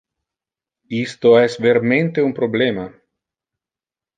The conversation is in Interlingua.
Isto es vermente un problema.